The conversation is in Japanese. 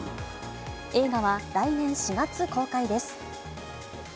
映画は来年４月公開です。